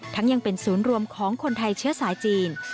ยังเป็นศูนย์รวมของคนไทยเชื้อสายจีน